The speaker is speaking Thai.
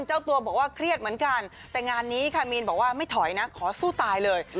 เจ้าตัวบอกว่าเครียดเหมือนกันแต่งานนี้ค่ะมีนบอกว่าไม่ถอยนะขอสู้ตายเลย